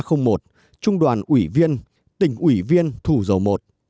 trung đoàn ba trăm linh một trung đoàn ủy viên tỉnh ủy viên thủ dầu i